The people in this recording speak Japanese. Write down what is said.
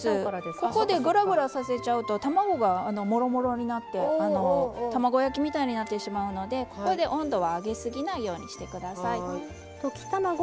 ここでグラグラさせちゃうと卵がもろもろになって卵焼きみたいになってしまうので温度は上げすぎないようにしてください。